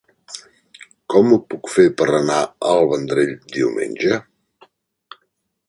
Com ho puc fer per anar al Vendrell diumenge?